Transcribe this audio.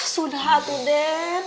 sudah tuh den